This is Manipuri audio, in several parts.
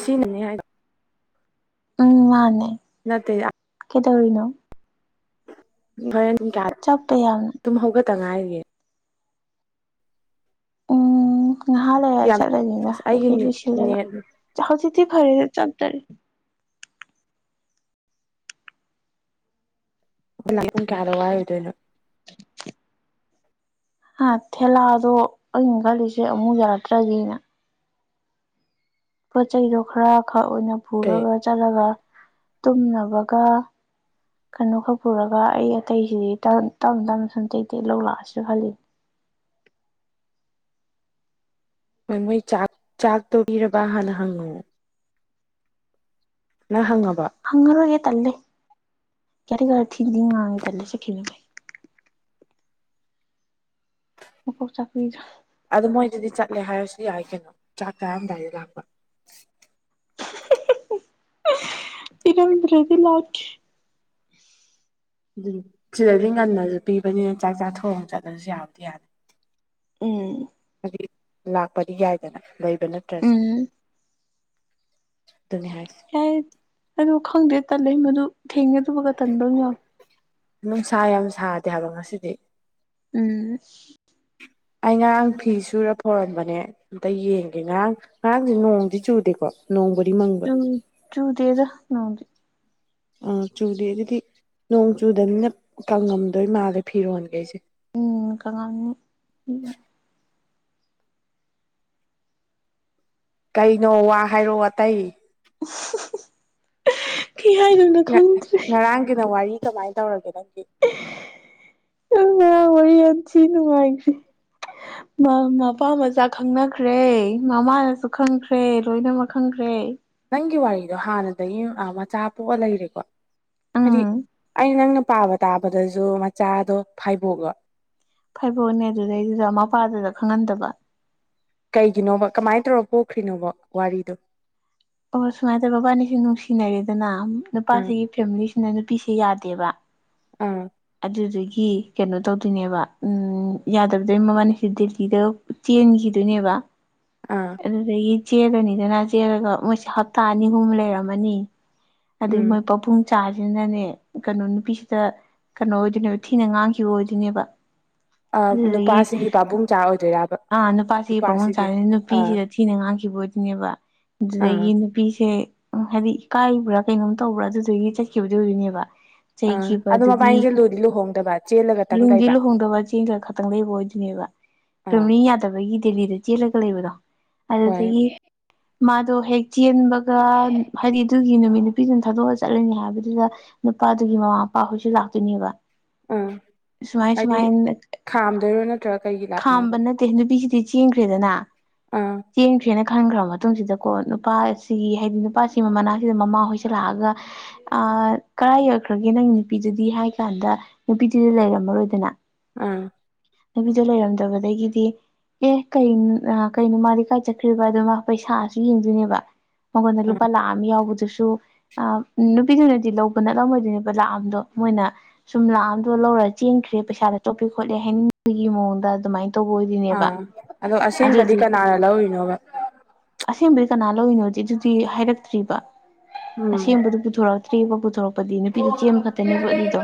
ꯁꯤꯅꯤꯅꯦ ꯍꯥꯏꯦ ꯎꯝ ꯃꯥꯅꯦ ꯀꯩꯗꯧꯔꯤꯅꯣ ꯅꯔ ꯀ ꯆꯞꯄ ꯌꯥꯝꯃꯤ ꯑꯗꯨꯨꯝ ꯍꯧꯒꯠꯇ ꯉꯥꯏꯔꯤꯒꯦ ꯎꯝ ꯉꯍꯥ ꯂꯩꯔ ꯌꯥꯝ ꯆꯠꯂꯅꯤꯗ ꯑꯁ ꯑꯩꯒꯤ ꯀꯔꯤꯀꯩ ꯂꯣꯏꯁꯤꯜꯂꯒ ꯅꯦꯠ ꯆꯖꯤꯗꯤꯤ ꯐꯔꯦꯗꯦ ꯆꯗꯔꯦ ꯍꯣꯏ ꯄꯨꯡ ꯀꯌꯥꯗ ꯋꯥꯏꯔꯣꯏꯗꯣꯏꯅꯣ ꯍꯥ ꯊꯦꯂꯥꯗꯣ ꯑꯩꯅ ꯈꯜꯂꯤꯁꯦ ꯑꯃꯨꯛ ꯌꯥꯗ꯭ꯔꯒꯤꯅ ꯄꯣꯠ ꯆꯩꯗꯣ ꯈꯔ ꯈꯛ ꯑꯣꯏꯅ ꯀꯩ ꯄꯨꯔꯒ ꯆꯠꯂꯒ ꯇꯨꯝꯅꯕꯒ ꯀꯩꯅꯣ ꯈꯛ ꯄꯨꯔꯒ ꯑꯩ ꯑꯇꯩꯁꯤꯗꯤ ꯇꯞ ꯇꯞꯅ ꯁꯨꯝꯇ ꯇ ꯂꯧ ꯂꯥꯛꯑꯁꯨ ꯈꯜꯂꯤꯅꯤ ꯍꯣꯏ ꯃꯣꯏ ꯆꯥꯛ ꯆꯥꯛ ꯇꯧꯕꯤꯔꯕ ꯍꯥꯟꯅ ꯍꯪꯉꯅꯦ ꯅ ꯍꯪꯉꯕ ꯍꯪꯉꯔ ꯑꯣꯏꯒꯦ ꯇꯂꯦ ꯀꯦꯔꯤ ꯀꯔ ꯊꯗꯤ ꯉꯥꯡꯉ ꯇꯂꯦ ꯆꯃꯤ ꯃ ꯆꯛꯄꯤꯖ ꯑꯗꯨ ꯃꯣꯏꯗꯗꯤ ꯆꯠꯂꯦ ꯍꯥꯏꯔꯁꯨ ꯌꯥꯏ ꯀꯩꯅꯣ ꯆꯥꯛ ꯇꯔꯥꯝꯗꯥꯏꯗ ꯂꯥꯛꯄ ꯏꯔꯗ꯭ꯔꯦꯗꯤ ꯂꯦ ꯑꯗꯨ ꯁꯤꯗꯗꯤ ꯉꯟꯅꯁꯨ ꯄꯤꯕꯅꯤꯅ ꯆꯥꯛ ꯆꯥ ꯊꯣꯡꯣꯡ ꯆꯠꯂꯁꯨ ꯌꯥꯎꯗꯤ ꯌꯥꯗꯦ ꯎꯝ ꯍꯥꯏꯗꯤ ꯂꯥꯛꯄꯗꯤ ꯌꯥꯏꯗꯅ ꯂꯩꯕ ꯅꯠꯇ꯭ꯔꯁꯨ ꯎꯝ ꯑꯗꯨꯅ ꯍꯥꯏꯁ ꯌꯥꯏ ꯑꯗꯨ ꯈꯪꯗꯦ ꯇꯜꯂ ꯃꯗꯨ ꯊꯦꯡꯉꯦ ꯑꯗꯨꯕꯒ ꯇꯟꯗꯧ ꯌꯥꯎꯋ ꯅꯨꯡꯁꯥ ꯌꯥꯝ ꯁꯥꯗꯦ ꯍꯥꯏꯕ ꯉꯁꯤꯗꯤ ꯎꯝ ꯑꯩ ꯉꯔꯥꯡ ꯐꯤ ꯁꯨꯔ ꯐꯧꯔꯝꯕꯅꯦ ꯑꯝꯇ ꯌꯦꯡꯒꯦ ꯉꯔꯥꯡ ꯉꯔꯥꯡꯁꯦ ꯅꯣꯡꯗꯤ ꯆꯨꯗꯦꯀꯣ ꯅꯣꯡꯕꯔꯤ ꯃ ꯇꯨ ꯇꯨ ꯗꯦꯁ ꯅꯗꯤ ꯑꯥ ꯆꯨꯗꯦ ꯑꯗꯨꯗꯤ ꯅꯣꯡ ꯆꯨꯗꯅꯤꯅ ꯀꯪꯉꯝꯗꯣꯏ ꯃꯥꯜꯂꯦ ꯐꯤꯔꯣꯟꯒꯦ ꯑꯩꯁꯦ ꯎꯝ ꯀꯉꯅꯤ ꯀꯩꯅꯣ ꯋꯥ ꯍꯥꯏꯔꯣ ꯑꯇꯩ ꯀꯩ ꯍꯥꯏꯅꯣꯏꯅꯣ ꯈꯪꯗ꯭ꯔꯦ ꯅꯪꯒꯤꯗ ꯋꯥꯔꯤ ꯀꯃꯥꯏꯅ ꯇꯧꯔꯒꯦ ꯅꯪꯒꯤ ꯉ ꯑꯣꯏ ꯌꯥ ꯆ ꯅꯨꯅꯨꯡꯉꯥꯏꯒꯔꯤ ꯃꯄꯥ ꯃꯆꯥ ꯈꯪꯅꯈ꯭ꯔꯦ ꯃꯃꯥꯅꯁꯨ ꯈꯪꯈ꯭ꯔꯦ ꯂꯣꯏꯅꯃꯛ ꯈꯪꯈ꯭ꯔꯦ ꯅꯪꯒꯤ ꯋꯥꯔꯤꯗꯣ ꯍꯥꯟꯅꯗꯒꯤ ꯃꯆꯥ ꯄꯣꯛꯑ ꯂꯩꯔꯦꯀꯣ ꯍꯥꯏꯗꯤ ꯎꯝ ꯑꯩ ꯅꯪꯅ ꯄꯥꯕ ꯇꯥꯕꯗꯁꯨ ꯃꯆꯥꯗꯣ ꯐꯥꯏꯕꯣꯛꯒ ꯐꯩꯕꯣꯅꯦ ꯑꯗꯨꯗꯩꯗꯨꯗ ꯃꯄꯥꯗꯨꯗ ꯈꯪꯍꯟꯗꯕ ꯀꯩꯒꯤꯅꯣꯕ ꯀꯃꯥꯏꯅ ꯇꯧꯔ ꯄꯣꯛꯈ꯭ꯔꯤꯅꯣꯕ ꯋꯥꯔꯤꯗꯣ ꯑꯣ ꯁꯨꯃꯥꯏꯅ ꯇꯧꯔꯦ ꯃꯕꯥꯅꯤꯁꯦ ꯅꯨꯡꯁꯤꯅꯔꯦꯗꯅ ꯑꯥ ꯅꯨꯄꯥꯁꯤꯒꯤ ꯐꯦꯃꯤꯂꯤꯁꯤꯅ ꯅꯨꯄꯤꯁ ꯌꯥꯗꯦꯕ ꯑꯥ ꯑꯗꯨꯗꯒꯤ ꯀꯩꯅꯣ ꯇꯧꯗꯣꯏꯅꯦꯕ ꯌꯥꯗꯕꯗꯩ ꯃꯕꯥꯅꯤꯍꯦ ꯗꯤꯄꯤꯗ ꯆꯦꯟꯒꯤꯗꯨꯅꯦꯕ ꯑꯥ ꯑꯗꯨꯗꯒꯤ ꯆꯦꯜꯂꯅꯤꯗꯅ ꯆꯦꯜꯂꯒ ꯃꯣꯏꯁꯦ ꯍꯞꯇꯥ ꯑꯅꯤ ꯑꯍꯨꯝ ꯂꯩꯔꯝꯃꯅꯤ ꯑꯗꯩ ꯎꯝ ꯃꯣꯏ ꯄꯥꯕꯨꯡ ꯆꯥꯁꯤꯅꯅꯦ ꯀꯩꯅꯣ ꯅꯨꯄꯤꯁꯤꯗ ꯀꯩꯅꯣ ꯑꯣꯏꯗꯣꯏꯅꯦꯕ ꯊꯤꯅ ꯉꯥꯡꯈꯤꯕ ꯑꯣꯏꯗꯣꯏꯅꯦꯕ ꯑꯗꯨꯗꯒꯤ ꯅꯨꯄꯥꯁꯤꯒꯤ ꯄꯥꯕꯨꯡꯆꯥ ꯑꯣꯏꯗꯣꯏꯕ ꯑꯥ ꯅꯨꯄꯥꯁꯤꯒꯤ ꯄꯥꯕꯨꯡ ꯆꯥꯔꯤ ꯅꯨꯄꯤꯁꯤꯗ ꯊꯤꯅ ꯉꯥꯡꯈꯤꯕ ꯑꯣꯏꯗꫭꯏꯅꯦꯕ ꯑꯗꯨꯗꯒꯤ ꯅꯨꯄꯤꯁꯦ ꯎ ꯍꯥꯏꯗꯤ ꯏꯀꯥꯏꯒꯤꯕ꯭ꯔꯥ ꯀꯩꯅꯣꯝ ꯇꯧꯕ꯭ꯔꯥ ꯑꯗꯨꯗꯒꯤ ꯆꯠꯈꯤꯕꯗꯨ ꯑꯣꯏꯗꫭꯏꯅꯦꯕ ꯆꯩꯈꯤꯕ ꯑꯗꯣ ꯑꯗꯨꯗꯤ ꯃꯕꯥꯏꯅꯤꯁꯦ ꯂꯨꯗꯤ ꯂꯨꯍꯣꯡꯗꯕ ꯆꯦꯜꯂꯒꯇꯪ ꯂꯨꯗꯤ ꯂꯩꯕ ꯂꯨꯍꯣꯡꯗꯕ ꯆꯦꯡꯒ ꯈ ꯈꯇꯪ ꯂꯩꯕ ꯑꯣꯏꯗꯣꯏꯅꯦꯕ ꯑꯥ ꯐꯦꯂꯤ ꯌꯥꯗꯕꯒꯤ ꯗꯦꯜꯂꯤꯗ ꯆꯦꯜꯂꯒ ꯂꯩꯕꯗꯣ ꯍꯣꯏ ꯑꯗꯨꯗꯒꯤ ꯃꯥꯗꯨ ꯍꯦꯛ ꯆꯟꯕꯒ ꯍꯥꯏꯗꯤ ꯑꯗꯨꯒꯤ ꯅꯨꯃꯤꯠ ꯅꯨꯄꯤꯗꯨꯅ ꯊꯥꯗꯣꯛꯑ ꯆꯠꯂꯅꯤ ꯍꯥꯏꯕꯗꯨꯗ ꯅꯨꯄꯥꯗꯨꯒꯤ ꯃꯃꯥ ꯃꯄꯥ ꯍꯣꯏꯁꯨ ꯂꯥꯛꯇꯣꯏꯅꯦꯕ ꯑꯥ ꯁꯨꯃꯥꯏ ꯍꯥꯏꯗꯤ ꯁꯨꯃꯥꯏ ꯈꯥꯝꯗꯣꯏꯔꯣ ꯅꯠꯇ꯭ꯔꯒ ꯀꯩꯒꯤ ꯂꯥꯛ ꯈꯥꯝꯕ ꯅꯠꯇꯦ ꯅꯨꯄꯤꯁꯤꯗꯤ ꯆꯦꯟꯈ꯭ꯔꯦꯗꯅ ꯑꯥ ꯆꯦꯟꯈ꯭ꯔꯦꯅ ꯈꯟꯈ꯭ꯔꯕ ꯃꯇꯨꯡꯁꯤꯗ ꯀꯣ ꯅꯨꯄꯥꯁꯤꯒꯤ ꯍꯥꯏꯗꯤ ꯅꯨꯄꯥꯁꯤ ꯃꯅꯥꯛꯁꯤꯗ ꯃꯃꯥꯍꯣꯏꯁꯤꯂꯥꯛꯑꯒ ꯑ ꯀꯗꯥꯥꯏ ꯌꯧꯛꯈ꯭ꯔꯒꯦ ꯅꯪ ꯅꯨꯄꯤꯗꯨꯗꯤ ꯍꯥꯏ ꯀꯥꯟꯗ ꯅꯨꯄꯤꯗꯨꯗꯤ ꯂꯩꯔꯝꯃꯔꯣꯏꯗꯅ ꯎꯝ ꯅꯨꯄꯤꯗꯨ ꯂꯩꯔꯝꯗꯕꯗꯒꯤꯗꯤ ꯑꯦ ꯀ ꯀꯩꯅꯣ ꯃꯥꯗꯤ ꯀꯥꯏ ꯆꯠꯈ꯭ꯔꯤꯕ ꯑꯗꯨꯗ ꯃꯥ ꯄꯩꯁꯥꯁꯨ ꯌꯦꯡꯗꯣꯏꯅꯦꯕ ꯃꯉꯣꯟꯗ ꯂꯨꯄꯥ ꯑꯥ ꯂꯥꯛꯑꯝ ꯌꯥꯎꯕꯗꯨꯁꯨ ꯑ ꯅꯨꯄꯤꯗꯨꯅꯗꯤ ꯂꯧꯕ ꯅꯠꯂꯝꯃꯣꯏꯗꯣꯏꯅꯦꯕ ꯂꯥꯛꯑꯝꯗꯣ ꯃꯣꯏꯅ ꯁꯨꯝ ꯂꯥꯛꯑꯝꯗꯣ ꯂꯧꯔ ꯆꯦꯟꯈ꯭ꯔꯦ ꯄꯩꯁꯥꯗ ꯆꯣꯞꯄꯦ ꯈꯣꯠꯂꯦ ꯍꯥꯏꯅꯤꯡꯕꯒꯤ ꯃꯑꯣꯡꯗ ꯑꯗꯨꯃꯥꯏꯅ ꯇꯧꯕ ꯑꯣꯏꯗꯣꯏꯅꯦꯕ ꯑꯥ ꯑꯗꯣ ꯑꯁꯦꯡꯕꯗꯤ ꯑꯗꯨꯗꯤ ꯀꯅꯥꯅ ꯂꯧꯔꯤꯅꯣꯕ ꯑꯁꯦꯡꯕꯗꯤ ꯀꯅꯥ ꯂꯧꯔꯤꯅꯣꯗꯤ ꯑꯗꯨꯗꯤ ꯍꯥꯏꯔꯛꯇ꯭ꯔꯤꯕ ꯎꯝ ꯑꯁꯦꯡꯕꯗꯨ ꯄꯨꯊꯣꯔꯛꯇ ꯐ꯭ꯔꯤꯕ ꯄꯨꯊꯣꯔꯛꯄꯗꯤ ꯅꯨꯄꯤꯗꯨ ꯆꯦꯟꯕ ꯈꯛꯇꯅꯦꯕ ꯑꯗꯨꯗꯣ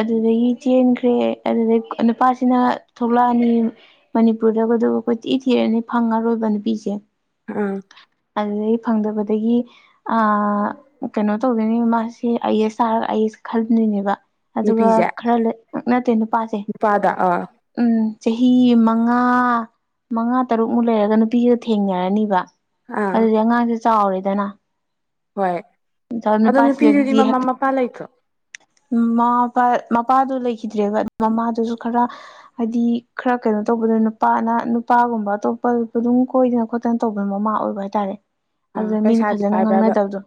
ꯑꯗꯨꯗꯒꯤ ꯆꯦꯟꯈ꯭ꯔꯦ ꯑꯗꯨꯗꯒꯤ ꯅꯨꯄꯥꯁꯤꯅ ꯊꯣꯛꯂꯛꯑꯅꯤ ꯃꯅꯤꯄꯨꯔꯗꯒ ꯑꯗꯨꯒ ꯀꫭꯏꯊꯤ ꯊꯤꯔꯅꯤ ꯐꯪꯉꯔꯣꯏꯕ ꯅꯨꯄꯤꯁꯦ ꯑꯝ ꯑꯗꯨꯗꯩ ꯐꯪꯗꯕꯗꯒꯤ ꯑ ꯀꯩꯅꯣ ꯇꯧꯗꯣꯏꯅꯦꯕ ꯃꯥꯁꯤ ꯁꯤ ꯑꯩꯁ ꯆꯥꯔꯒ ꯑꯩꯁ ꯈꯟꯗꯣꯏꯅꯦꯕ ꯑꯗꯨꯒ ꯈꯔ ꯅꯠꯇꯦ ꯅꯨꯄꯥꯁꯦ ꯄꯥꯗ ꯑꯥ ꯎꯝ ꯆꯍꯤ ꯃꯉꯥ ꯃꯉꯥ ꯇꯔꯨꯛꯃꯨꯛ ꯂꯩꯔꯒ ꯅꯨꯄꯤꯗꯣ ꯊꯦꯡꯅꯔꯅꯤꯕ ꯑꯥ ꯑꯗꯨꯗꯤ ꯑꯉꯥꯡꯁꯦ ꯆꯥꯎꯔꯦꯗꯅ ꯍꯣꯏ ꯑꯗꯣ ꯅꯨꯄꯤꯗꯨꯗꯤ ꯅꯨꯄꯥꯁꯤꯗꯗꯤ ꯃꯃꯥ ꯃꯄꯥ ꯂꯩꯇ꯭ꯔꯣ ꯎꯝ ꯃꯃꯥ ꯃꯄꯥ ꯃꯄꯥꯗꯣ ꯂꯩꯈꯤꯗ꯭ꯔꯦꯕ ꯃꯃꯥꯗꯨꯁꯨ ꯈꯔ ꯍꯥꯏꯗꯤ ꯈꯔ ꯀꯩꯅꯣ ꯇꯧꯕꯗ ꯅꯨꯄꯥꯅ ꯅꯨꯄꯥꯒꯨꯝꯕ ꯑꯇꯣꯞꯄ ꯑꯗꯨꯝ ꯀꯣꯏꯗꯅ ꯈꯣꯠꯇ ꯅꯥ ꯇꯧꯕ ꯃꯃꯥ ꯑꯣꯏꯕ ꯍꯥꯏꯇꯥꯔꯦ ꯑꯥ ꯑꯗꯨꯗ ꯃꯤꯅꯤ ꯄꯩꯁꯥꯗꯤ ꯐꯖꯅ ꯄꯥꯏꯕ꯭ꯔꯕ ꯉꯥꯡꯅꯗꯕꯗꯣ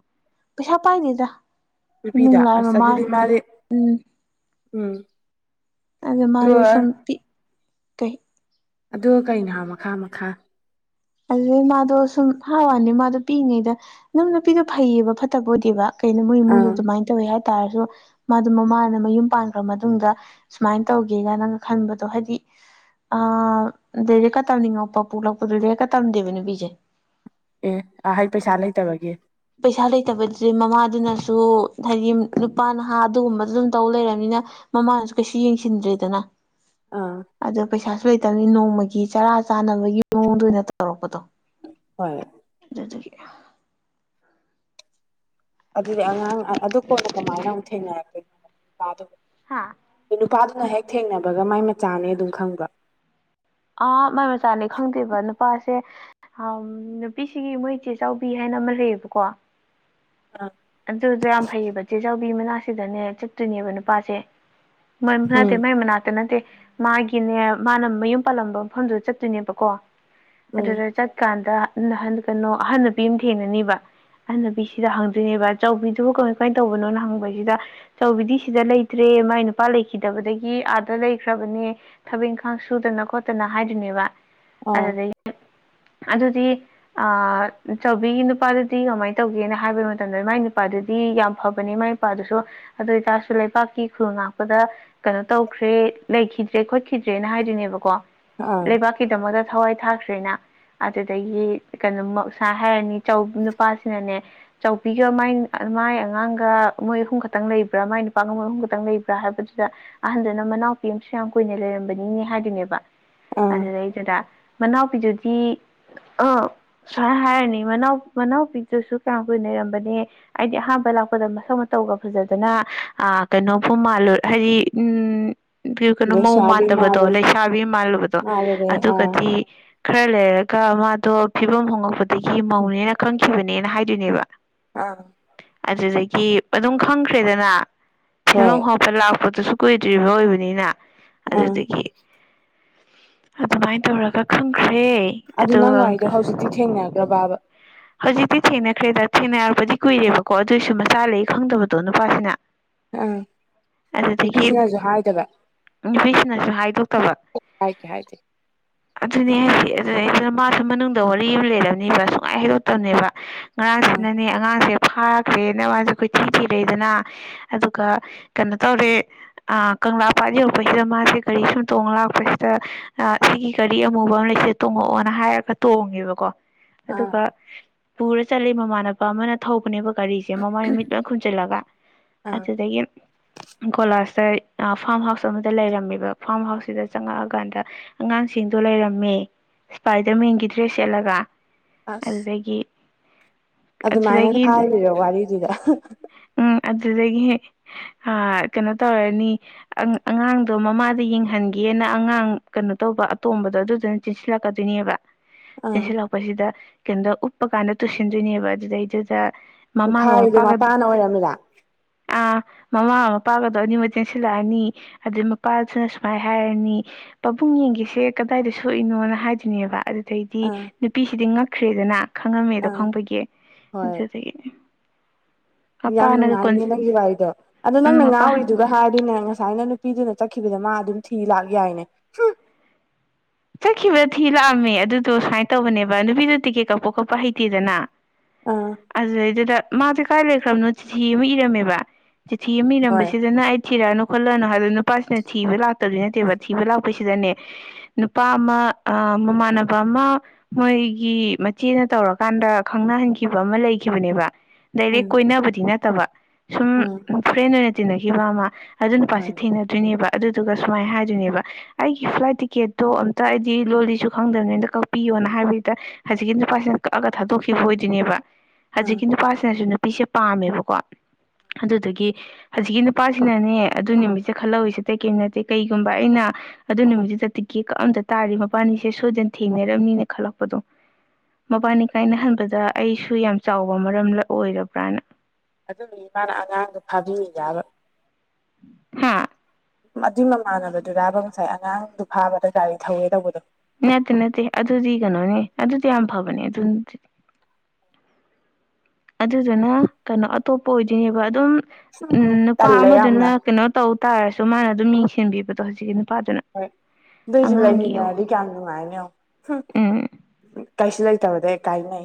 ꯄꯩꯁꯥ ꯄꯥꯏꯅꯤꯗ ꯏꯃꯨꯡ ꯅꯨꯄꯤꯗꯣ ꯂꯥꯏ ꯑꯁ ꯃꯃꯥ ꯑꯗꯨꯗꯤ ꯃꯥꯗꯤ ꯎꯝ ꯎꯝ ꯑꯗꯒꯤ ꯃꯥꯗꯣ ꯑꯗꯨꯒ ꯁꯝ ꯄꯤ ꯀꯩ ꯑꯗ ꯀꯩꯅꯣ ꯍꯥ ꯃꯈꯥ ꯃꯈꯥ ꯑꯗꯨꯗꯩ ꯃꯥꯗꯣ ꯁꯨꯝ ꯍꯥꯏꯋꯥꯅꯤ ꯃꯥꯗꯣ ꯄꯤꯛꯏꯉꯩꯗ ꯑꯗꯨꯝ ꯅꯨꯄꯤꯗꯣ ꯐꯩꯌꯦꯕ ꯐꯠꯇꯕ ꯑꯣꯏꯗꯦꯕ ꯀꯩꯅꯣ ꯃꯣꯏ ꯏꯃꯨꯡꯗꯨ ꯑꯥ ꯑꯗꯨꯃꯥꯏꯅ ꯇꯧꯋꯦ ꯍꯥꯏꯇꯥꯔꯁꯨ ꯃꯥꯗꯨ ꯃꯃꯥꯅ ꯃꯌꯨꯝ ꯄꯥꯟꯈ꯭ꯔ ꯃꯇꯨꯡꯗ ꯁꯨꯃꯥꯏꯅ ꯇꯧꯒꯦꯒꯅꯥ ꯈꯟꯕꯗꯣ ꯍꯥꯏꯗꯤ ꯑ ꯂꯩꯔꯀ ꯇꯝꯅꯤꯡꯉꯣꯄꯥꯄꯂꯛꯄꯗꯨꯔꯀ ꯇꯝꯗꯦꯕꯅꯦ ꯄꯤꯖꯦ ꯑꯦ ꯑ ꯍꯩ ꯄꯩꯁꯥ ꯂꯩꯇꯕꯒꯤ ꯄꯩꯁꯥ ꯂꯩꯇꯕꯗꯨꯗꯤ ꯃꯃꯥꯗꯨꯅꯁꯨ ꯍꯥꯏꯗꯤ ꯅꯨꯄꯥ ꯅꯍꯥ ꯑꯗꯨꯒꯨꯝꯕꯗ ꯑꯗꯨꯝ ꯇꯧ ꯂꯩꯔꯕꯅꯤꯅ ꯃꯃꯥꯅꯁꯨ ꯀꯩꯁꯨ ꯌꯦꯡꯁꯤꯟꯗ꯭ꯔꯦꯗꯅ ꯑꯥ ꯑꯗꯣ ꯄꯩꯁꯥ ꯂꯩꯇꯕꯅꯤ ꯅꯣꯡꯃꯒꯤ ꯆꯔꯥ ꯆꯥꯅꯕꯒꯤ ꯃꯑꯣꯡꯗ ꯑꯣꯏꯅ ꯇꯧꯔꯛꯄꯗꯣ ꯍ ꯑꯗꯨꯗꯒꯤ ꯑꯗꯨꯗꯤ ꯑꯉꯥꯡ ꯑꯗꯨ ꯀꯣꯟꯗ ꯀꯃꯥꯏꯅ ꯑꯃꯨꯛ ꯊꯦꯡꯅꯔꯛꯛꯇꯣꯏꯅꯣ ꯅꯨꯄꯥꯗꯨꯕꯨ ꯍꯥꯥ ꯑ ꯅꯨꯄꯥꯗꯨꯅ ꯍꯦꯛ ꯊꯦꯡꯅꯕꯒ ꯃꯥꯏ ꯃꯆꯥꯅꯦ ꯑꯗꯨꯝ ꯈꯪꯕ ꯑ ꯃꯥꯏ ꯃꯆꯥꯅꯦ ꯈꯪꯗꯦꯕ ꯅꯨꯄꯥꯁꯦ ꯑ ꯅꯨꯄꯤꯁꯤꯒꯤ ꯃꯣꯏ ꯏꯆꯦ ꯆꯥꯎꯥꯎꯕꯤ ꯍꯥꯏꯅ ꯑꯃ ꯂꯩꯌꯦꯕꯀꯣ ꯑꯗꯨꯗ ꯌꯥꯝ ꯐꯩꯌꯦꯕ ꯆꯤꯖ ꯅꯨꯄꯤ ꯃꯅꯥꯛꯁꯤꯗꯅꯦ ꯆꯠꯇꯣꯏꯅꯦꯕ ꯅꯨꯄꯥꯁꯦ ꯃ ꯅꯠꯇꯦ ꯎꯝ ꯃꯩ ꯃꯅꯥꯛꯇ ꯅꯠꯇꯦ ꯃꯥꯒꯤꯅꯦ ꯃꯥꯅ ꯃꯌꯨꯝ ꯄꯥꯜꯂꯝꯕ ꯃꯐꯝꯗꯨꯗ ꯆꯠꯇꯣꯏꯅꯦꯕꯀꯣ ꯎꯝ ꯑꯗꯨꯗ ꯀꯥꯟꯗ ꯅꯍꯟ ꯀꯩꯅꯣ ꯑꯍꯟ ꯅꯨꯄꯤ ꯑꯃ ꯊꯦꯡꯅꯅꯤꯕ ꯑꯅꯕꯤꯁꯤꯗ ꯍꯪꯗꯣꯏꯅꯦꯕ ꯆ ꯆꯥꯎꯕꯤꯗꯨꯕꯨ ꯀꯃꯥꯏ ꯀꯃꯥꯏ ꯇꯧꯕꯅꯣꯅ ꯍꯪꯕꯁꯤꯗ ꯑꯆꯧꯕꯤꯗꯤ ꯁꯤꯗ ꯂꯩꯇ꯭ꯔꯦ ꯃꯥꯏ ꯅꯨꯄꯥ ꯂꯩꯈꯤꯗꯕꯗꯒꯤ ꯑꯥꯗ ꯂꯩꯈ꯭ꯔꯕꯅꯦ ꯊꯕꯛ ꯏꯪꯈꯥꯡ ꯁꯨꯗꯅ ꯈꯣꯠꯇꯅ ꯍꯥꯏꯗꯨꯣꯏꯅꯦꯕ ꯑꯗꯨꯗꯩ [inaudible] ꯑꯗꯨꯗꯤ ꯑ ꯆꯥꯎꯕꯤꯒꯤ ꯅꯨꯄꯥꯗꯨꯗꯤ ꯀꯃꯥꯏꯅ ꯇꯧꯒꯦꯅ ꯍꯥꯏꯕ ꯃꯇꯝꯗ ꯃꯥꯏ ꯅꯨꯄꯥꯗꯨꯗꯤ ꯌꯥꯝ ꯐꯕꯅꯤ ꯃꯥꯏ ꯅꯨꯄꯥꯗꯨꯁꯨ ꯑꯗꯨ ꯑꯣꯏꯇꯥꯔꯁꯨ ꯂꯩꯕꯥꯛꯀꯤ ꯈꯨꯜ ꯉꯥꯛꯄꯗ ꯀꯩꯅꯣ ꯇꯧꯈ꯭ꯔꯦ ꯂꯩꯈꯤꯗ꯭ꯔꯦ ꯈꯣꯠꯈꯤꯗ꯭ꯔꯦꯅ ꯍꯥꯏꯗꯣꯏꯅꯦꯕꯀꯣ ꯑꯥ ꯂꯩꯕꯥꯛꯀꯤꯗꯃꯛꯇ ꯊꯋꯥꯏ ꯊꯥꯈ꯭ꯔ‌ꯦꯔꯤꯅ ꯑꯗꯨꯗꯒꯤ ꯀꯩꯅꯣ ꯃꯁꯥ ꯍꯥꯏꯔꯅꯤ ꯆꯧ ꯅꯨꯄꯥꯁꯤꯅꯅꯦ ꯆꯥꯎꯕꯤꯒ ꯃꯥꯏ ꯃꯥꯏ ꯑꯉꯥꯡꯒ ꯃꯣꯏ ꯑꯍꯨꯝ ꯈꯛꯇꯪ ꯂꯩꯕ꯭ꯔꯥ ꯃꯥꯏ ꯅꯨꯄꯥꯒ ꯃꯣꯏ ꯑꯍꯨꯝ ꯈꯛꯇꯪ ꯂꯩꯕ꯭ꯔꯥ ꯍꯥꯏꯕꯗꯨꯗ ꯑꯍꯟꯗꯨꯅ ꯃꯅꯥꯎꯄꯤ ꯑꯃꯁꯨ ꯌꯥꯝ ꯀꯨꯏꯅ ꯂꯩꯔꯝꯕꯅꯤꯅꯦ ꯍꯥꯏꯗꯨꯅꯦꯕ ꯑꯥ ꯑꯗꯨꯗꯩꯗꯨꯗ ꯃꯅꯥꯎꯄꯤꯗꯨꯗꯤ ꯑ ꯁꯨꯃꯥꯏꯅ ꯍꯥꯏꯔꯅꯤ ꯃꯅꯥꯎ ꯃꯅꯥꯎꯄꯤꯛꯛꯇꯁꯨ ꯀꯌꯥꯝ ꯀꯨꯏꯅꯔꯝꯕꯅꯦ ꯍꯥꯏꯗꯤ ꯑꯍꯥꯟꯕ ꯂꯥꯛꯄꯗ ꯃꯁꯧ ꯃꯇꯧꯒ ꯐꯖꯗꯅ ꯑ ꯀꯩꯅꯣꯐꯨꯝ ꯃꯥꯂ ꯍꯥꯏꯗꯤ ꯎꯝ [unintelligible] ꯃꯧ ꯂꯩꯁꯥꯕꯤ ꯃꯥꯟꯗꯕꯗꯣ ꯃꯥꯜꯂꯨ ꯂꯩꯁꯥꯕꯤ ꯃꯥꯜꯂꯨꯕꯗꯣ ꯃꯥꯜꯂꯨꯔꯦ ꯑꯥ ꯑꯗꯨꯒꯗꯤ ꯈꯔ ꯂꯩꯔꯒ ꯃꯥꯗꯣ ꯐꯤꯕꯝ ꯍꯣꯉꯛꯄꯗꯒꯤ ꯃꯧꯅꯦꯅ ꯈꯪꯈꯤꯕꯅꯦꯅ ꯍꯥꯏꯗꯣꯏꯅꯦꯕ ꯑꯥ ꯑꯗꯨꯗꯒꯤ ꯑꯗꯨꯝ ꯈꯪꯈ꯭ꯔꯦꯗꯅ ꯍꯣꯏ ꯐꯤꯐꯝ ꯂꯥꯛꯄꯗꯨꯁꯨ ꯀꯨꯏꯗ꯭ꯔꯤꯕ ꯑꯣꯏꯕꯅꯤꯅ ꯑꯥ ꯑꯗꯨꯗꯒꯤ ꯑꯗꯨꯃꯥꯏꯅ ꯇꯧꯔꯒ ꯈꯪꯈ꯭ꯔꯦ ꯑꯗꯨ ꯑꯗꯨꯒ ꯅꯪꯋꯥꯏꯗꯣ ꯍꯧꯖꯤꯛꯇꯤ ꯊꯦꯡꯅꯈ꯭ꯔꯕꯕ ꯍꯧꯖꯤꯛꯇꯤ ꯊꯦꯡꯅꯈ꯭ꯔꯦꯗ ꯊꯦꯡꯅꯔꯛꯄꯗꯤ ꯀꯨꯏꯔꯦꯕꯀꯣ ꯑꯗꯨꯑꯣꯏꯁꯨ ꯃꯆꯥ ꯂꯩ ꯈꯪꯗꯕꯗꯣ ꯅꯨꯄꯥꯁꯤꯅ ꯑꯥ ꯑꯗꯨꯗꯒꯤ ꯅꯨꯄꯤꯁꯤꯅꯁꯨ ꯍꯥꯏꯗꯕ ꯅꯨꯄꯤꯁꯤꯡꯅꯁꯨ ꯍꯥꯏꯗꯣꯛꯇꯕ ꯀ‌ꯣꯛ ꯍꯥꯏ ꯒ‌ꯦ ꯍꯥꯏꯗ‌ꯦ ꯑꯗꯨꯅꯦ ꯍꯥꯏꯁꯤ ꯑꯗꯨꯅ ꯃꯥꯁꯨ ꯃꯅꯨꯡꯗ ꯋꯥꯔꯤ ꯑꯃ ꯂꯩꯔꯝꯅꯤꯕ ꯁꯨꯡꯃꯉꯥꯏ ꯍꯩꯗꯣꯛꯇꯕꯅꯦꯕ ꯑꯥ ꯉꯔꯥꯡꯁꯤꯅꯅꯦ ꯑꯉꯥꯡꯁꯦ ꯐꯥꯔꯈ꯭ꯔꯦꯅ ꯃꯥꯁꯦ ꯑꯩꯈꯣꯏ ꯊꯤꯟꯊꯤꯔꯛꯏꯗꯅ ꯑꯗꯨꯒ ꯀꯩꯅꯣ ꯇꯧꯔꯦ ꯑ ꯀꯪꯂꯥ ꯄꯥꯠ ꯌꯧꯛꯄꯁꯤꯗ ꯃꯥꯁꯦ ꯒꯔꯤ ꯁꯨꯝ ꯇꯣꯡ ꯂꯥꯛꯄꯁꯤ ꯁꯤꯒꯤ ꯒꯔꯤ ꯑꯃꯨꯕ ꯑꯃ ꯂꯩꯁꯦ ꯇꯣꯡꯉꯛꯑꯣꯅ ꯍꯥꯏꯔꯒ ꯇꯣꯡꯉꯦꯕꯀꯣ ꯑꯥ ꯑꯗꯨꯒ ꯄꯨꯔ ꯆꯠꯂꯤ ꯃꯃꯥꯟꯅꯕ ꯑꯃꯅ ꯊꯧꯕꯅꯦꯕ ꯒꯥꯔꯤꯁꯦ ꯃꯃꯥꯏ ꯃꯤꯃꯤꯠ ꯂꯣꯏ ꯈꯨꯝꯖꯤꯜꯂꯒ ꯑꯥ ꯑꯗꯨꯗꯒꯤ ꯀꯣꯂꯥꯁꯇ ꯐꯥꯔꯝ ꯍꯥꯎꯁ ꯑꯃꯗ ꯂꯩꯔꯝꯃꯤꯕ ꯐꯥꯔꯝ ꯍꯥꯎꯁꯁꯤꯗ ꯆꯪꯉꯛꯑꯀꯥꯟꯗ ꯑꯉꯥꯡꯁꯤꯡꯗꯣ ꯂꯩꯔꯝꯃꯦ ꯏꯁꯄꯥꯏꯗꯔꯃꯦꯟꯒꯤ ꯗ꯭ꯔꯦꯁ ꯁꯦꯠꯂꯒ ꯑꯁ ꯑꯗꯨꯗꯒꯤ ꯑꯗꯨꯃꯥꯏꯅ ꯑꯗꯨꯗꯒꯤ ꯍꯥꯏꯔꯤꯔꯣ ꯋꯥꯔꯤꯗꯨꯗ ꯎꯝ ꯑꯗꯨ ꯑꯗꯨꯗꯒꯤ ꯀꯩꯅꯣ ꯇꯧꯔꯅꯤ ꯑꯉꯥꯡꯗꯣ ꯃꯃꯥꯗ ꯌꯦꯡꯍꯟꯒꯦ ꯅ ꯑꯉꯥꯡ ꯀꯩꯅꯣ ꯇꯧꯕ ꯑꯇꯣꯝꯕꯗꯣ ꯑꯗꯨꯅ ꯆꯁꯤꯂꯛꯣꯏꯅꯦꯕ ꯑꯥ ꯎꯄꯁꯤꯗ ꯀꯩꯅꯣꯗ ꯎꯞꯄ ꯀꯥꯟꯗ ꯇꯨꯁꯤꯟꯗꯣꯏꯅꯦꯕ ꯑꯗꯨꯗꯩꯗꯨꯗ ꯃꯃꯥꯒ ꯐꯥꯔꯤꯗꯨ ꯃꯄꯥꯒ ꯃꯄꯥꯅ ꯑꯣꯏꯔꯝꯃꯤꯔꯥ ꯑꯥ ꯃꯃꯥ ꯃꯄꯥꯒꯗꯣ ꯑꯅꯤꯃꯛ ꯆꯦꯟꯁꯤꯜꯂꯛꯑꯅꯤ ꯑꯗꯨꯩ ꯃꯄꯥꯗꯨꯅ ꯁꯨꯃꯥꯏꯅ ꯍꯥꯏꯔꯅꯤ ꯄꯥꯕꯨꯡ ꯌꯦꯡꯒꯁꯦ ꯀꯗꯥꯏꯗ ꯁꯣꯛꯏꯅꯣꯅ ꯍꯥꯏꯗꯣꯏꯅꯦꯕ ꯑꯗꯩꯗꯤ ꯑꯥ ꯅꯨꯄꯤꯁꯤꯗꯤ ꯉꯛꯈ꯭ꯔꯦꯗꯅ ꯈꯪꯉꯝꯃꯦꯗꯣ ꯑꯥ ꯈꯪꯕꯒꯤ ꯍꯣꯏ [unintelligible] ꯌꯥꯝ ꯃꯄꯥꯅꯒ ꯀꯣꯟ ꯅꯨꯡꯉꯥꯏꯅꯦ ꯅꯪꯒꯤ ꯋꯥꯔꯤꯗꯣ ꯑꯗꯣ ꯎꯝ ꯅꯪꯅ ꯉꯥꯎꯔꯤ ꯃꯄꯥ ꯑꯗꯨꯒ ꯍꯥꯏꯗꯣꯏꯅꯦ ꯉꯁꯥꯏꯅ ꯅꯨꯄꯤꯗꯨꯅ ꯆꯠꯈꯤꯕꯗ ꯃꯥ ꯑꯗꯨꯝ ꯊꯤ ꯂꯥꯛ ꯌꯥꯏꯅꯦ ꯆꯠꯈꯤꯕ ꯊꯤ ꯂꯥꯛꯑꯝꯃꯦ ꯑꯗꯨꯗꯣ ꯁꯨꯃꯥꯏꯅ ꯇꯧꯕꯅꯦꯕ ꯅꯨꯄꯤꯗꯣ ꯇꯤꯛꯀꯦꯠ ꯀꯛꯄ ꯈꯣꯠꯄ ꯍꯩꯇꯦꯗꯅ ꯑꯥ ꯑꯗꯨꯗꯩꯗꯨꯗ ꯃꯥꯁꯦ ꯀꯥꯏ ꯂꯩꯈ꯭ꯔꯕꯅꯣ ꯆꯤꯊꯤ ꯑꯃ ꯏꯔꯝꯃꯦꯕ ꯆꯤꯊꯤ ꯑꯃ ꯍꯣꯏ ꯏꯔꯝꯕꯁꯤꯗꯅ ꯑꯩ ꯊꯤꯔꯛꯑꯅꯨ ꯈꯣꯠꯂꯅꯨ ꯍꯥꯏꯗ ꯅꯨꯄꯥꯁꯤꯅ ꯊꯤꯕ ꯂꯥꯛꯇꯕꯗꯤ ꯅꯠꯇꯦꯕ ꯊꯤꯕ ꯂꯥꯛꯄꯁꯤꯗꯅꯦ ꯅꯨꯄꯥ ꯑꯃ ꯃꯃꯥꯟꯅꯕ ꯑꯃ ꯃꯣꯏꯒꯤ ꯃꯆꯦꯅ ꯇꯧꯔꯀꯥꯟꯗ ꯈꯪꯅꯍꯟꯈꯤꯕ ꯑꯃ ꯂꯩꯈꯤꯕꯅꯦꯕ ꯎꯝ ꯗꯥꯏꯔꯦꯛ ꯀꯣꯏꯅꯕꯗꯤ ꯅꯠꯇꯕ ꯁꯨꯝ ꯎꯝ ꯐ꯭ꯔꯦꯟ ꯑꯣꯏꯅ ꯇꯤꯟꯅꯈꯤꯕ ꯑꯃ ꯑꯗꯨ ꯅꯨꯄꯥꯁꯤ ꯍꯣꯏ ꯊꯦꯡꯅꯗ ꯑꯗꯨ ꯅꯦꯕ ꯑꯗꯨꯗꯨꯒ ꯁꯨꯃꯥꯏꯅ ꯍꯥꯏꯗꯣꯏꯅꯦꯕ ꯑꯩꯒꯤ ꯐ꯭ꯂꯥꯏꯠ ꯇꯤꯀꯦꯠ ꯑꯗꯣ ꯑꯝꯇ ꯑꯩꯗꯤ ꯂꯣꯜꯂꯤꯁꯨ ꯈꯪꯗꯕꯅꯤ ꯑꯝꯇ ꯀꯛꯄꯤꯌꯣꯅ ꯍꯥꯏꯕꯗꯨꯗ ꯍꯧꯖꯤꯛꯀꯤ ꯅꯨꯄꯥꯁꯤꯅ ꯀꯛꯑꯒ ꯊꯥꯗꯣꯛꯈꯤꯕ ꯑꯣꯏꯗꯣꯏꯅꯦꯕ ꯑꯥ ꯍꯧꯖꯤꯛꯀꯤ ꯅꯨꯄꯥꯁꯤꯅꯁꯨ ꯅꯨꯄꯤꯁꯦ ꯄꯥꯝꯃꯦꯕꯀꯣ ꯑꯗꯨꯗꯒꯤ ꯍꯧꯖꯤꯛꯀꯤ ꯅꯨꯄꯥꯁꯤꯅꯅꯦ ꯑꯗꯨ ꯅꯨꯃꯤꯠꯁꯦ ꯈꯜꯍꯧꯔꯤꯁꯤ ꯀꯑꯩꯁꯨ ꯅꯠꯇꯦ ꯀꯩꯒꯨꯝꯕ ꯑꯩꯅ ꯑꯗꯨ ꯅꯨꯃꯤꯠꯇꯨꯗ ꯇꯤꯛꯀꯦ ꯀꯛ ꯑꯝꯇ ꯇꯥꯔꯤ ꯃꯄꯥꯅꯤꯁꯦ ꯁꯣꯏꯗꯅ ꯊꯦꯡꯅꯔꯝꯅꯤꯅ ꯈꯜꯂꯛꯄꯗꯣ ꯃꯕꯥꯅꯤ ꯀꯥꯏꯅꯍꯟꯕꯗ ꯑꯩꯁꯨ ꯌꯥꯝ ꯆꯥꯎꯕ ꯃꯔꯝꯂ ꯑꯣꯏꯔꯕ꯭ꯔꯥꯅ ꯑꯗꯨꯗꯨꯒꯤ ꯃꯥꯅ ꯑꯉꯥꯡꯗꯣ ꯐꯥꯕꯤꯌꯦ ꯌꯥꯕ ꯍꯥꯥ ꯑꯗꯨꯏ ꯃꯃꯥꯟꯅꯕꯗꯨꯔꯥꯕ ꯉꯁꯥꯏ ꯑꯉꯥꯡꯗꯨ ꯐꯥꯕꯗ ꯒꯥꯔꯤ ꯊꯧꯋꯦ ꯇꯧꯕꯗꯣ ꯅꯠꯇꯦ ꯅꯠꯇꯦ ꯑꯗꯨꯗꯤ ꯀꯩꯅꯣꯅꯦ ꯑꯗꯨꯗꯤ ꯌꯥꯝ ꯐꯕꯅꯦ ꯑꯗꯨꯗꯤ ꯑꯗꯨꯗꯨꯅ ꯀꯩꯅꯣ ꯑꯇꯣꯞꯄ ꯑꯣꯏꯗꯣꯏꯅꯦꯕ ꯑꯗꯨꯝ ꯎ ꯅꯨꯄꯥ ꯇꯜꯂꯦ ꯌꯥꯝꯅ ꯑꯃꯗꯨꯅ ꯀꯩꯅꯣ ꯇꯧ ꯇꯥꯔꯁꯨ ꯃꯥꯅ ꯑꯗꯨꯝ ꯌꯦꯡꯁꯤꯟꯕꯤꯕꯗꯣ ꯍꯧꯖꯤꯛꯀꯤ ꯅꯨꯄꯥꯗꯨꯅ ꯍꯣꯏ ꯑꯗꯨꯏꯁꯨ ꯑꯉꯥꯡꯒꯤ ꯑꯧ ꯂꯩꯃꯤꯟꯅꯔꯗꯤ ꯀꯌꯥꯝ ꯅꯨꯡꯉꯥꯏꯅꯤ ꯎꯝ ꯎ ꯀꯥꯏꯁꯨ ꯂꯩꯇꯕꯗ ꯀꯥꯏꯅꯩ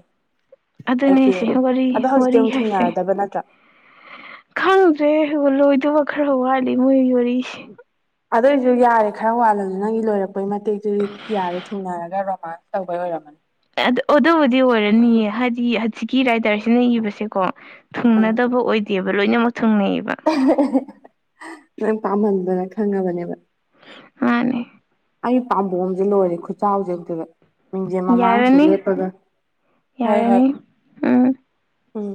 ꯑꯩ ꯑꯗꯨꯅꯦꯁꯦ ꯄꯦꯟꯗꯦ ꯋꯥꯔꯤ ꯑꯗꯣ ꯍꯧꯖꯤꯛꯇꯤ ꯋꯥꯔꯤ ꯑꯃꯨꯛ ꯍꯥꯏꯁꯦ ꯊꯨꯡꯅꯔꯗꯕ ꯅꯠꯇ꯭ꯔꯥ ꯈꯪꯗ꯭ꯔꯦ ꯍ ꯂꯣꯏꯗꯕ ꯈꯔ ꯋꯥꯠꯂꯤ ꯃꯣꯏꯒꯤ ꯋꯥꯔꯤꯁꯦ ꯑꯗꯨꯏꯁꯨ ꯌꯥꯔꯦ ꯈꯔ ꯋꯥꯠꯂꯅꯤ ꯅꯪꯒꯤ ꯂꯣꯏꯔꯛꯄꯒꯤ ꯃꯇꯦꯛꯇꯨꯗꯤꯌꯥꯔꯦ ꯊꯨꯡꯅꯔꯒ ꯔꯣꯃꯥꯟꯁ ꯇꯧꯕꯩ ꯑꯣꯏꯔꯝꯃꯅꯤ ꯑꯗꯨꯕꯨꯗꯤ ꯑꯣꯏꯔꯅꯤꯌꯦ ꯍꯥꯏꯗꯤ ꯍꯧꯖꯤꯛꯀꯤ ꯔꯥꯏꯗꯔꯁꯤꯅ ꯏꯕꯁꯦꯀꯣ ꯑꯥ ꯊꯨꯡꯅꯗꯕ ꯑꯣꯏꯗꯦꯕ ꯂꯣꯏꯅꯃꯛ ꯊꯨꯡꯅꯩꯑꯕ ꯅꯪ ꯄꯥꯝꯍꯟꯗꯅ ꯈꯪꯉꯕꯅꯦꯕ ꯃꯥꯅꯦ ꯑꯩ ꯄꯥꯝꯕꯣꯝꯁꯦ ꯂꯣꯏꯔꯦ ꯈꯨꯆꯥꯎ ꯍꯧꯖꯤꯦꯛꯇꯗ ꯃꯤꯡꯖꯦꯜ ꯃꯃꯥꯡꯁꯦ ꯌꯥꯔꯅꯤ ꯂꯦꯞꯄꯒ ꯍꯣꯏ ꯍꯣꯏ ꯌꯥꯔꯅꯤ ꯎꯝ ꯎꯝ